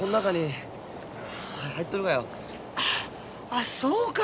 あっそうか。